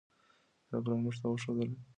زعفران موږ ته وښودل چې لاره شته.